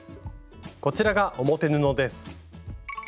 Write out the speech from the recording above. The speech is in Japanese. こちらが表布です。